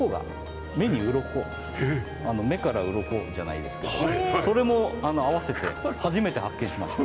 目からうろこじゃないですけどそれも併せて初めて発見しました。